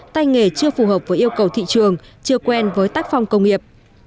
tay nghề chưa phù hợp với yêu cầu thị trường chưa quen với tác phong công nghiệp